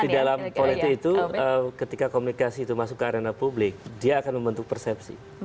di dalam politik itu ketika komunikasi itu masuk ke arena publik dia akan membentuk persepsi